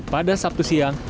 pada sabtu siang